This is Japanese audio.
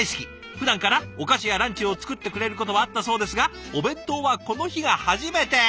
ふだんからお菓子やランチを作ってくれることはあったそうですがお弁当はこの日が初めて。